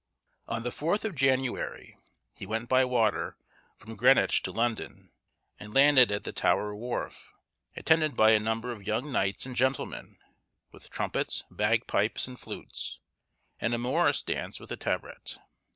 On the 4th of January, he went by water, from Greenwich to London, and landed at the Tower wharf, attended by a number of young knights and gentlemen, with trumpets, bagpipes, and flutes, and a morris dance with a tabret.